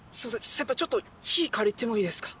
先輩ちょっと火借りてもいいですか？